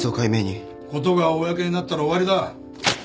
事が公になったら終わりだ。